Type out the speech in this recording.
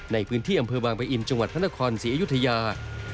ในพื้นที่อำเภอบางปะอินจังหวัดพระนครศรีอยุธยา